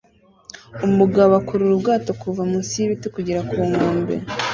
umugabo akurura ubwato kuva munsi yibiti kugera ku nkombe